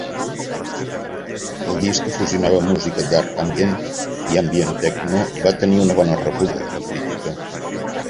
El disc, que fusionava música dark ambient i ambient techno, va tenir una bona rebuda de la crítica.